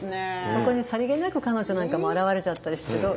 そこにさりげなく彼女なんかも現れちゃったりしてどうでしょう？